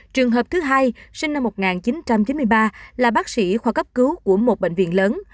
trường hợp thứ hai sinh năm một nghìn chín trăm chín mươi ba là bác sĩ khoa cấp cứu của một bệnh viện lớn